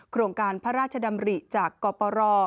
โครงการพระราชดำริจากกปร